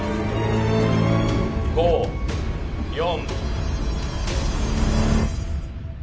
５・４。